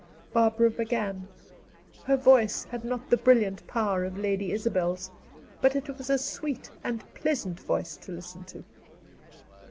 Barbara began. Her voice had not the brilliant power of Lady Isabel's, but it was a sweet and pleasant voice to listen to.